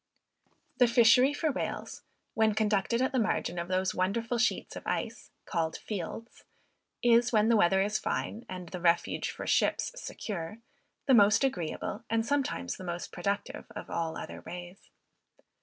The fishery for whales, when conducted at the margin of those wonderful sheets of ice, called fields, is, when the weather is fine, and the refuge for ships secure, the most agreeable, and sometimes the most productive of all other ways.